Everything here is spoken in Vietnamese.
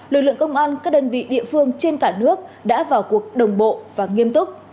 lực lượng công an các đơn vị địa phương trên cả nước đã vào cuộc đồng bộ và nghiêm túc